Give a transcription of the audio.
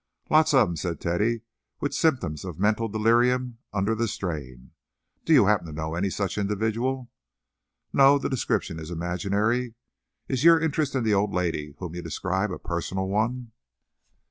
"Lots of 'em," said Teddy, with symptoms of mental delirium under the strain. Do you happen to know any such individual?" "No; the description is imaginary. Is your interest in the old lady whom you describe a personal one?"